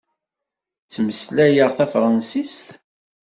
Ttmeslayeɣ tafṛansist.